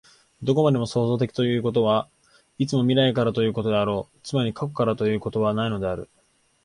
どこまでも創造的ということは、いつも未来からということであろう、つまり過去からということはないのである。